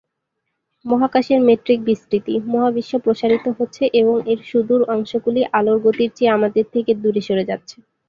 মহাকাশের মেট্রিক বিস্তৃতি: মহাবিশ্ব প্রসারিত হচ্ছে এবং এর সুদূর অংশগুলি আলোর গতির চেয়ে আমাদের থেকে দূরে সরে যাচ্ছে।